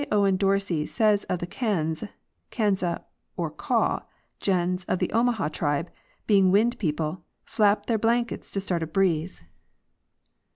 Owen Dorsey says the Kanze (Kansa or Kaw) gens of the Omaha tribe, being Wind people, " flap their blankets to start a breeze."